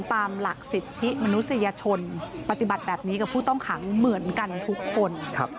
ตามหลักสิทธิมนุษยชนปฏิบัติแบบนี้กับผู้ต้องขังเหมือนกันทุกคน